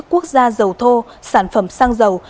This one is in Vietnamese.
quốc gia dầu thô sản phẩm xăng dầu